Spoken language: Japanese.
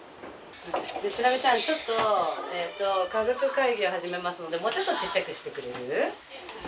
智菜美ちゃん家族会議を始めますのでもうちょっとちっちゃくしてくれる？